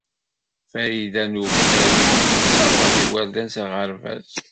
Farida n Ukeffadu ur tessaweḍ igerdan s aɣerbaz.